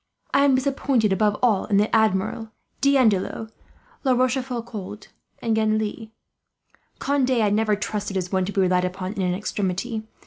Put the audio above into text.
"I am disappointed above all in the Admiral, D'Andelot, La Rochefoucauld, and Genlis. Conde I have never trusted as one to be relied upon, in an extremity.